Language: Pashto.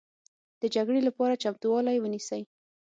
د جګړې لپاره چمتوالی ونیسئ